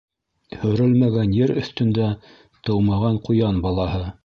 Һөрөлмәгән ер өҫтөндә тыумаған ҡуян балаһы